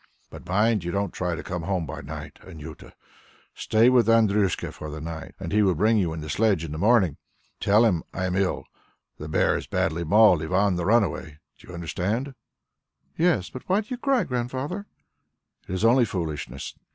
But mind you don't try to come home by night, Anjuta. Stay with Andryushka for the night, and he will bring you in the sledge in the morning. Tell him I am ill the bear has badly mauled Ivan the Runaway. Do you understand?" "Yes; but why do you cry, Grandfather?" "It is only foolishness....